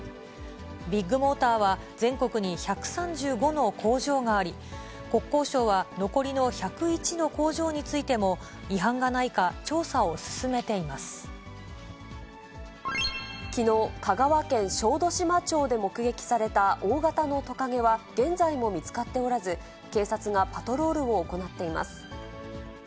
ビッグモーターは全国に１３５の工場があり、国交省は残りの１０１の工場についても違反がないか調査を進めてきのう、香川県小豆島町で目撃された大型のトカゲは現在も見つかっておらず、警察がパトロールを行っています。